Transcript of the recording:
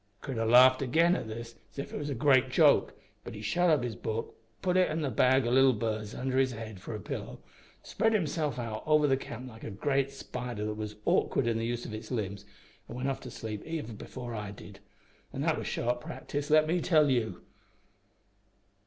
The critter larfed again at this as if it was a great joke, but he shut up his book, put it and the bag o' leetle birds under his head for a pillow, spread himself out over the camp like a great spider that was awk'ard in the use o' its limbs, an' went off to sleep even before I did an' that was sharp practice, let me tell you.